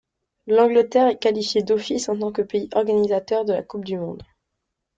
L'Angleterre est qualifiée d'office en tant que pays organisateur de la coupe du monde.